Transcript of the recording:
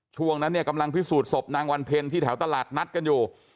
ช่วงนั้นเนี่ยกำลังพิสูจนศพนางวันเพ็ญที่แถวตลาดนัดกันอยู่